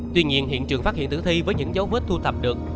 tuy nhiên hiện trường phát hiện tử thi với những dấu vết thu thập được